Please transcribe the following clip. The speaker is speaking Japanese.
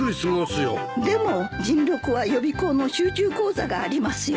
でも甚六は予備校の集中講座がありますよ。